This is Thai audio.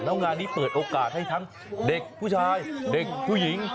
แล้วงานนี้เปิดโอกาสให้ทั้งเด็กผู้ชายเด็กผู้หญิง